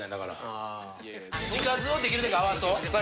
字数をできるだけ合わそう。